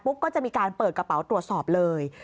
ก็จะมีการเปิดกระเป๋าตรวจสอบเลย